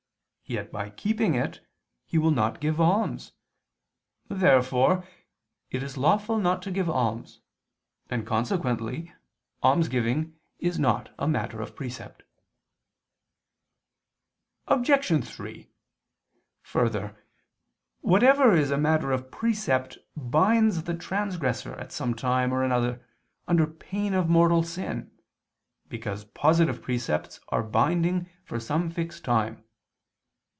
Yet by keeping it he will not give alms. Therefore it is lawful not to give alms: and consequently almsgiving is not a matter of precept. Obj. 3: Further, whatever is a matter of precept binds the transgressor at some time or other under pain of mortal sin, because positive precepts are binding for some fixed time.